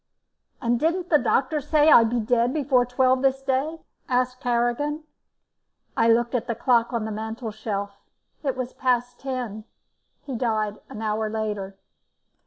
"And didn't the doctor say I'd be dead before twelve this day?" asked Harrigan. I looked at the clock on the mantelshelf. It was past ten. He died an hour later.